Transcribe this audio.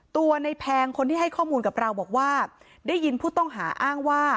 ตัวในแพงคนที่ให้ข้อมูลกับเราบอกว่าได้ยินผู้ต้องหาอ้างว่า